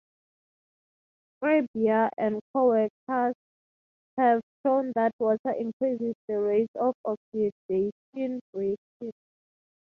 Schreiber and coworkers have shown that water increases the rate of the oxidation reaction.